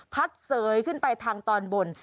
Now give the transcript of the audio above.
เสยขึ้นไปทางตอนบน